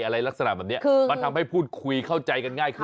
อะไรลักษณะแบบนี้มันทำให้พูดคุยเข้าใจกันง่ายขึ้น